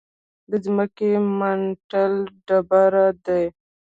د ځمکې منتل ډبرې دي.